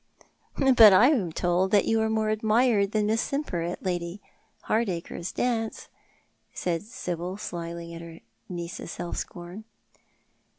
" But I am told that you were more admired than Miss Simper at Lady Hardacre's dance," said Sibyl, smiling at her niece's self scorn.